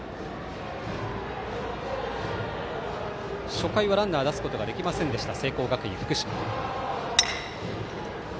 初回はランナーを出すことができませんでした福島・聖光学院。